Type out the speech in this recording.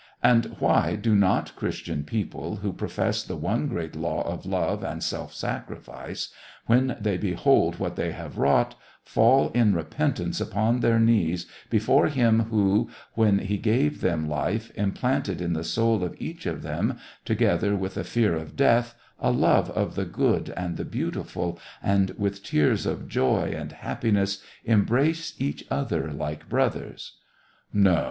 And why do not Christian people, who profess the one great law of love and self sac rifice, when they behold what they have wrought, fall in repentance upon their knees before Him who, when he gave them life, implanted in the soul of each of them, together with a fear of death, a love of the good and the beautiful, and, with tears of joy and happiness, embrace each other like brothers 1 No